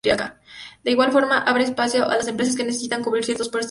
De igual forma abre espacio a las empresas que necesitan cubrir ciertos puestos laborales.